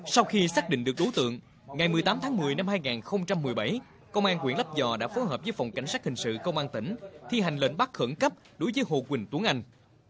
sau khi xác định được đối tượng ngày một mươi tám tháng một mươi năm hai nghìn một mươi bảy công an quyển lắp dò đã phối hợp với phòng cảnh sát hình sự công an tỉnh thi hành lệnh bắt khẩn cấp đối với hồ quỳnh tuấn anh